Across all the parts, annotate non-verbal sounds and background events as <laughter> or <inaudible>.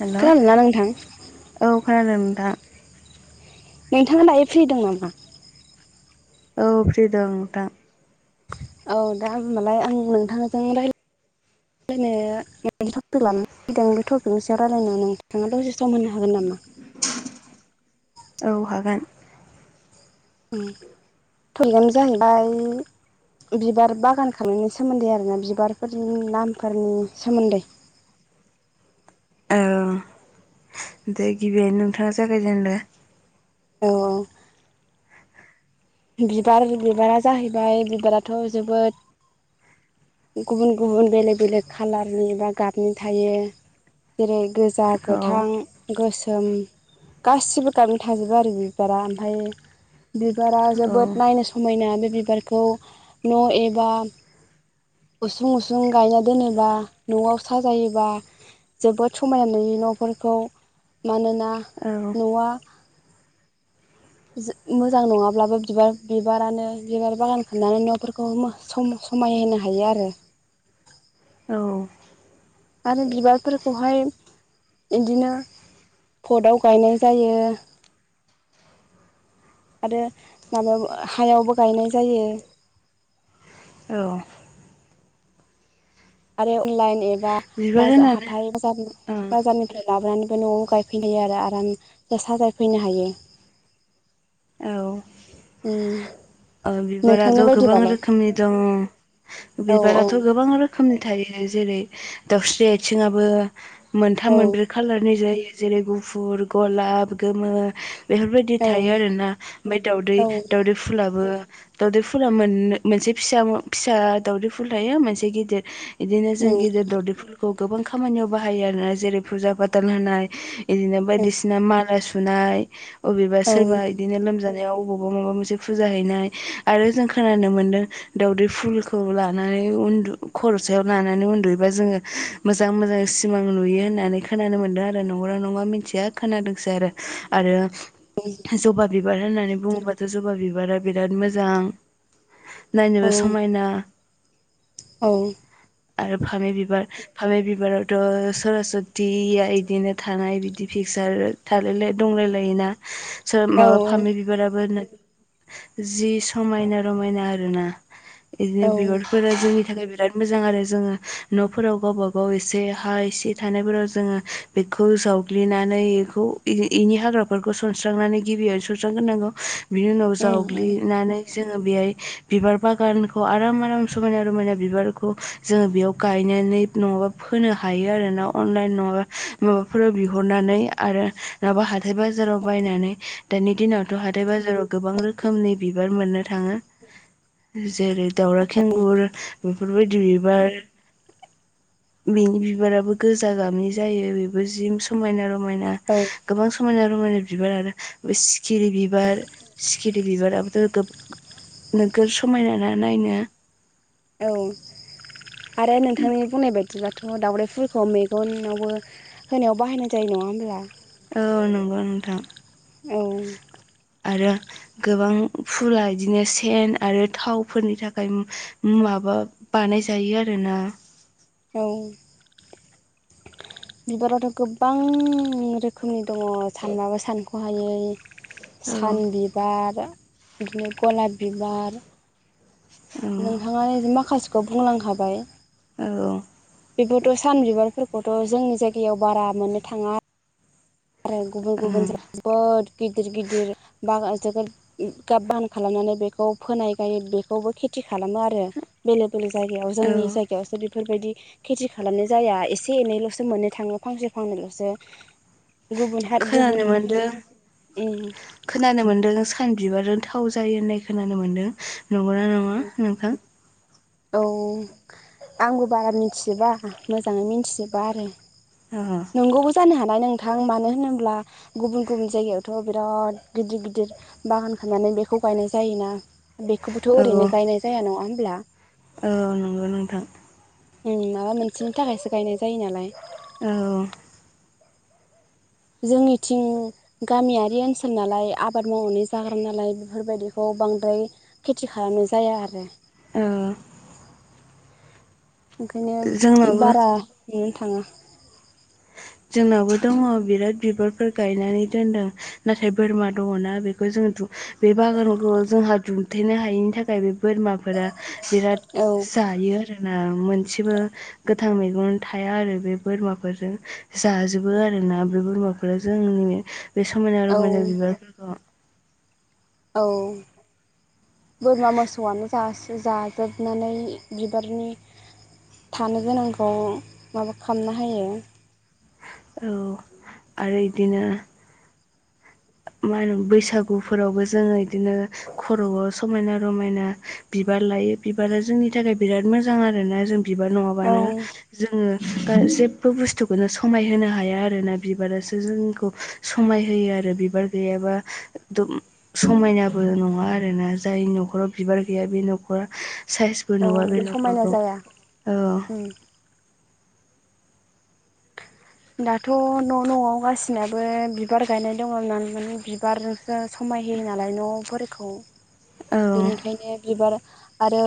Hello खोनादोंना नोंथां औ खोनादों नोंथां। नोंथाङा दायो फ्रि दं नामा? औ फ्रि दं नोंथां। औ दा होमबालाय आं नोंथांजों राय नो गोनां टपिक लानानै फैदों बे टपिकनि सायाव रायलायनो गोनां दं नोंथाङा दसे सम होनो हागोन नामा? <inaudible> औ हागोन। उम टपिकआनो जाहैबाय बिबार बागान खालामनायनि सोमोन्दै आरोना बिबारफोरनि नामफोरनि सोमोन्दै। <inaudible> औ दे गिबियावनो नोंथाङा जागायजेनदो। ओं बिबार बिबारा जाहैबाय बिबाराथ' जोबोद गुबुन गुबुन बेलेक बेलेक खालारनि बा गाबनि थायो। जेरै गोजा, औ गोथां, गोसोम, गासिबो गाबनि थाजोबो आरो बिबारा ओमफाय बिबारा औ जोबोद नायनो समायना बे बिबारखौ न' एबा उसुं उसुं गायना दोनोबा न'आव साजायोबा जोबोद समायना नुयो न'फोरखौ मानोना औ न'आ मोजां नङाब्लाबो बिबार बिबारानो बिबार बागान खालामनानै न'फोरखौ समायहोनो हायो आरो औ आरो बिबारफोरखौहाय बिदिनो फटआव गायनाय जायो आरो माबायाव हायावबो गायनाय जायो औ आरो अनलाइन एबा बिबार बाजार होननानै हाथाइ बाजारनिफ्राय लाबोनानैबो न'आव गायफैनो हायो आरो आराम साजायफैनो हायो औ उम औ बिबाराथ' नोंथांनि गोबां बायदिबालाय रोखोमनि दङ औ औ बिबाराथ' गोबां रोखोम रोखोमनि थायो जेरै दाावस्रि आथिंआबो औ मोनथाम मोनब्रै खालारनि जायो जेरै गुफुर गलाप गोमो बेफोरबायदि औ थायो आरोना ओमफ्राय दाउदै औ दावदै फुलाबो दावदै फुला मोन मोनसे फिसा फिसा दावदै फुल थायो मोनसे गिदिर बिदिनो औ जों गिदिर दावदै फुलखौ गोबां खामानियाव बाहायो आरोना जेरै फुजा फाथाल होनाय बिदिनो बायदिसिना माला सुनाय अबेबा औ सोरबा बिदिनो लोमजानाय अबावबा माबा मोनसे फुजा हैनाय आरो जों खोनानो मोनदों दाावदै फुलखौ लानानै खर'सायाव लानानै उन्दुयोबा जोङो मोजां मोजां सिमां नुयो होननानै खोनानो मोनदों आरो नंगौना नङा मिथिया खोनादोंसो आरो ज'बा बिबार होननानै बुङोबाथ' जबा बिबारा बिराद मोजां नायनोबो समायना औ आरो फामि बिबार फामि बिबारावथ' सरास्वथिया बिदिनो थानाय बिदि फिक्सार थालायनाय दंलायलायोना आरो माबा फामि बिबाराबो जि समायना रमायना आरो ना बिदिनो बिबारफोरा जोंनि थाखाय बिराद मोजां आरो जोङो न'फोराव गावबा गाव एसे हा एसे थानायफोराव जोङो बेखौ जावग्लिनानै बेखौ बेनि हाग्राफोरखौ सनस्रांनानै गिबियावनो सनस्रांग्रोनांगौ बिनि उनाव जावग्लिनानै जोङो बेहाय बिबार बागानखौ आराम -आराम समायना- रमायना बिबारखौ जोङो बेयाव गायनो नङाबा फोनो हायो आरो ना अनलाइन नङाबा माबाफोराव बिहरनानै आरो नङाबा हाथाय बाजाराव बायनानै दानि दिनावथ' हाथाय बाजाराव गोबां रोखोम रोखोमनि बिबार मोननो थाङो जेरै दावला खेंगुर बेबाय दबार <unintelligible> बिनि बिबाराबो गोजा गाबनि जायो बेबो जि समायना र समायना औ औ गोबां समायना रमायना बिबार आरो बे सिखिरि बिबार बिराबोथ' नोगोर समायना ना नायनो <unintelligible> औ आरो नोंथांनि बुंनाय बायदिब्लाथ' दावराइ फुलफोरखौ मेगनावबो होनायाव बाहायनाय जायो नङा। म दा <unintelligible> औ नंगौ नोंथां औ आरो। गोबां फुला बिदिनो सेन आरो थावफोरनि थाखाय माबा बानाय जायो आरोना। औ बिबारावथ' गोबां रोखोमनि दङ सानबाबो सानख'हायै औ सान बिबार बिदिनो गलाब बिबार औ नोंथाङानो माखासेखौ बुंलांखाबाय। बेबोथ' सान बिबारफोरखौथ' जोंनि जायगायाव बारा मोननो थाङा। आरो गुबुन औ गुबुन बद गिदिर गिदिर बागा जोग गाब बान खालामनानै बेखौ फोनाय गायै बेखौबो खेथि खालामो आरो बेलेग जायगायाव औ जोंनि जायगायाव बेफोरबायदि खेथि खालामनाय जाया एसे एनैल'सो मोननो थाङो फांसे फांनैल'सो गुबुन हा गुबुन खोनानो मोनदों खोनानो मोनदों सान बिबारजों थाव जायो होननाय खोनानो मोन्दों नंगौना नङा नोंथां? औ आंबो बारा मिथिजोबा मोजाङै मिथिजोबा आरो औ नोंगौबो जानो हानाय। नाल नोंथां मानो होनोब्ला गुबुन गुब जायायावथ' बिराद गिदिर गिदिर बागान खालामनानै बेखौ गायनाय जायोना बेखौबोथ' औ ओरैनो गायनाय जाया नङा होमब्ला? औ नंगौ नोंथां। माबा मोनसेनि थाखायसो गायनाय जायो नालाय। औ। जोंनिथिं गामियारि ओनसोल नालाय आबाद मावनानै जाग्रा नालाय बेफोरबायदिखौ बांद्राय खेथि खालामनाय जाया आरो। ओ। ओंखायनो जोंनावबो बारा नुनो थाङा। जोंनावो दङ बिराद बिबारफोर गायनानै दोनदों नाथाय बोरमा दङना बेखौ जों बे बागानखौ जोंहा दुमथेनो हायिनि थाखाय बे बोरमाफोरा बिराद औ जायो आरो। मोनसेबो गोथां मैगं थाया आरो बे बोरमाफोरजों। जाजोबो आरोना बे बोरमाफोरा जोंनि बे समायना औ रमायना बिबारफोरखौ। औ। बोरमा मोसौआनो जाजोबनानै बिबारनि थानो गोनांखौ माबा खालामनो हायो। औ आरो इदिनो मा होनो बैसागुफोरावबो जोङो बिदिनो खर'आव समायना रमायना बिबार लायो बिबारा जोंनि थाखाय बिराद मोजां आरो ना जों बिबार औ नङाबानो जोङो जेबो बुस्थुखौनो समायहोनो हाया आरोना बिबारासो जोंखौ समाय होयो आरो। बिबार गैयाबा समायनाबो नङा आरोना जाय न'खराव बिबार गैया बे ना साइसबो औ नुवा बे समायना नखरखौ जाया औ। उम दाथ न नआव गासिनाबो बिबार गायनाय दंङ माने बिबारसो सम खाय होयो नालाय न'फोरखौ औ बेनिखायनो बिबार आरो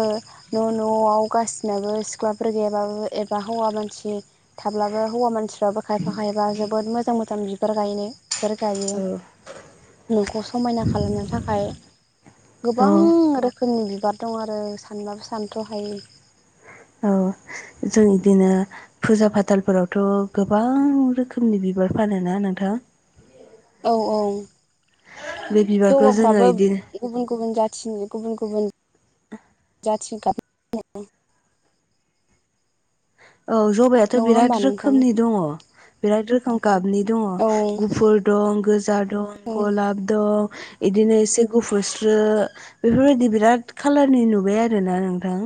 न' न'आव गासिनाबो सिख्लाफोर गैयाबाबो एबा हौवा मानसि थाब्लाबो हौवा मानसिफ्राबो खायफा खायबा जोबोद मोजां मोजां बिबार गायनो बिफोर गायो औ नखौ समायना खालामनो थाखाय गोबां औ रोखोमनि बिबार दं आरो सानबाबो सानथ'हाय औ जों बिदिनो फुजा फाथालफोरावथ' गोबां रोखोमनि बिबार फान ना नोंथां औ औ बे बिबारखौ जोङो जमाफ्राबो इदिनो गुबुन गुबुन जाथि थि गुबुन गुबुन <inaudible> <unintelligible> औ जबाइाथ' नङा होमबा बिराद नोंथां रोखोमनि दङ बिराद रोखोम गाबनि दङ औ गुफुर दं गोजा दं औ गलाब दं इदिनो एसे गुफुरस्रो बेफोरबायदि बिराद खालारनि नुबाय आरोना नोंथां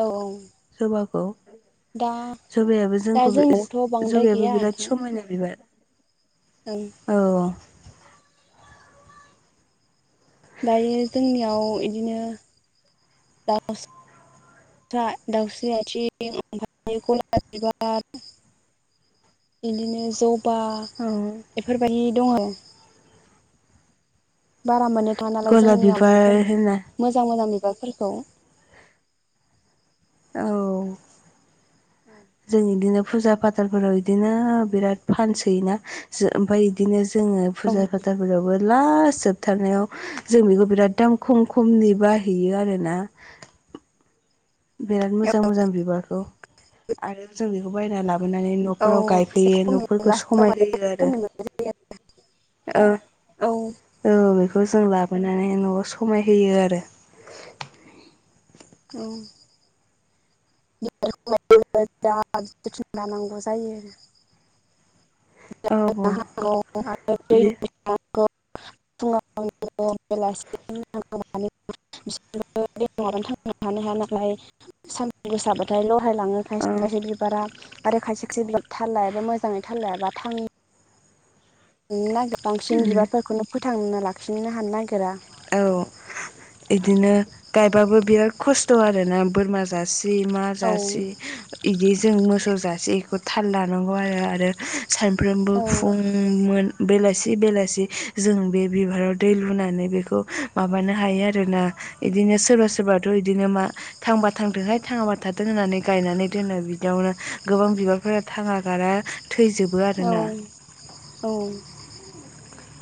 औ औ जबाखौ दा जबायाइाबो दा जोंखौ जोंनावथ' बांद्राय जबायाबो बिराद समायना बिबार औ दायो जोंनियाव बिदिनो <inaudible> बिदिनो जबा औ बेफोरबायदि दङ मोन थालाय गलाब जोंनियाव बिबार बेफोर होनना मोजां मोजां माबाफोरखौ औ जों इदिनो फुजा फाथालफोराव बिदिनो बिराद फानसैयोना ओमफफ्राय बिदिनो जोङो औ फुजा फाथाफोरावबो लास जोबथारनायाव जों बेखौ बिराद दाम खम खमनि बाहैयो आरोना <inaudible> बिराद मोजां मोजां बिबारखौ आरो जों बेखौ बायनानै लाबो लाबोनानै न'फोराव औ एसे गायफैयो खमै न'फोरखौ समाय लास्टावहाय होयो आरो खमै मोननाय अ औ बे बेखौ जों लाबोनानै न'आव समाय होयो आरो औ दा थ लानांगौ जायो आरो <inaudible> <unintelligible> औ बे बिसोर बेनानै थां हानो हाया नालाय सानदुं गोसाबाथायल' बाहायलाङो औ खायसे खायसे बिबारा आरो खायसे खाय बिब थाललााया एबा मोजाङै थाललााया बा थाङ नो नागिर बांसिन उम बिबारफोरखौनो फोथांना लाखिनो हानो नागिरा औ बिदिनो गायबाबो बिराद खस्थ' आरोना बोरमा जासे मा औ जासि बिदि जों मोसौ जासे बेखौ थाल लानांगौ आरो आरो सानफ्रोमबो फुं औ मोन बेलासि बेलासि जों बे बिबाराव दै लुनानै बेखौ हायो आरोना बिदिनो सोरबा सोरबाथ' बिदिनो म थांबा थांदोंहाय थां होननानै गायनानै दोनो बिदियावनो गोबां बिबारफोरा थाङा गारा थैजोबो आरोना औ औ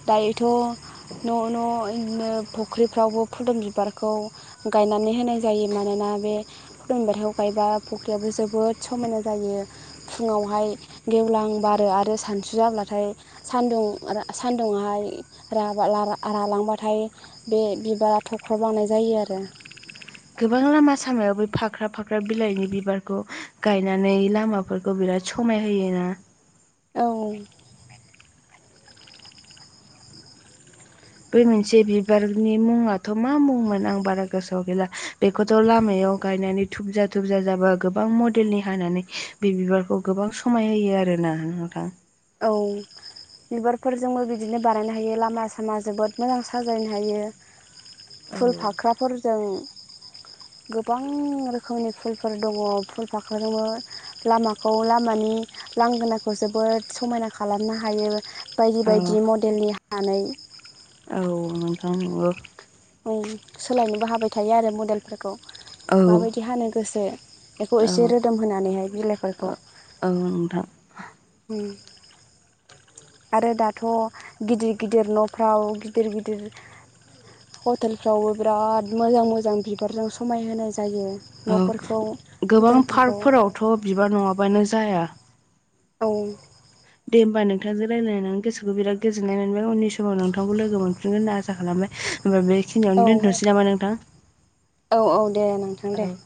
दायोथ' न' न'दिनो फुख्रिफ्रावबो फुदुं बिबारखौ गायनानै होनाय जायो मानोना बे फुदुंबथायाव गायबा फख्रियावबो जोबोद समायना जायो फुङावहाय गेवलांबा आरो सानसु जाब्लाथाय सदुं सान्दुंहाय रालांबाथाय हाथाय बे बिबारा थख्र' बानाय जायो आरो गोबां लामा सामायाव फाख्रा फाख्रा बिलाइनि बिबारखौ गायनानै लामाफोरखौ बिराद समाय होयोना औ बे मोनसे बिबारनि मुङाथ' मा मुंमोन आं बारा गोसोआव गैला बेखौथ' लामायाव याव गायनानै थुबजा थुबजा जाबा गोबां मडेलनि हानानै बे बिबारखौ गोबां समाय होयो आरो । आरोना ना नोंथां । औ । बिबारफोरजोंबो बिदिनो बानायनो हायो लामा सामा जोबोद मोजां साजायनो हायो । औ फुल फाख्राफोरजों गोबां रोखोमनि फुलफोर दङ फुल फाख्राजोंबो लामाखौ लामानि लांगोनाखौ जोबोद समायना खालामनो हायो बायदि औ बायदि मडेलनि हानानै औ नोंथां नंगौ । ओ सोलायनोबो हाबाय थायो आरो मडेलफोरखौ औ माबायदि हानो गोसो बेखौ औ एसे रोदोम होनानैहाय बिलाइफोरखौ औ नोंथां उम आरो दाथ' गिदिर गिदिर न'फ्राव गिदिर गिदिर हटेलफ्रावबो बिराद मोजां मोजां बिबारजों समाय होनो जायो जायो औ न'फोरखौ गोबां हटेलफोरखौ पार्कफोरावथ' बिबार नङाबानो जाया औ दे होमबा नोंथांजों रायलायनानै गोोखौ बिराद गोजोन्नाय मोनबाय उन समाव नोंथांखौ लोगो मोनफिनगोन होनना आसा खालामबाय । होनोमबा बेखिनियावनो औ दोनथ'नोसै नामा नोंथां औ औ दे नोंथां दे औ